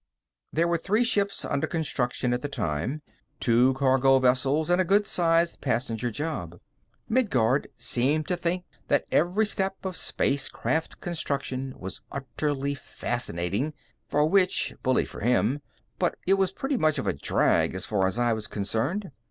There were three ships under construction at the time: two cargo vessels and a good sized passenger job. Midguard seemed to think that every step of spacecraft construction was utterly fascinating for which, bully for him but it was pretty much of a drag as far as I was concerned.